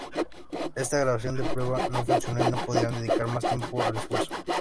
Esta grabación de prueba no funcionó y no podían dedicar más tiempo al esfuerzo.